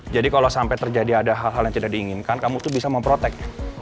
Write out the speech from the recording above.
jadi kalau sampai terjadi ada hal hal yang tidak diinginkan kamu tuh bisa memprotek